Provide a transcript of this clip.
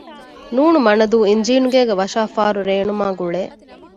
ނ.މަނަދޫ އިންޖީނުގޭގެ ވަށާފާރު ރޭނުމާގުޅޭ